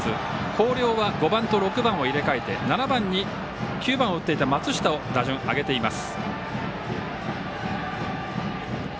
広陵は５番と６番を入れ替えて７番に９番を打っていた松下を打順、上げています。